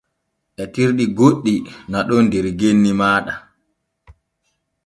Etirɗi goɗɗi na’on der genni maaɗa.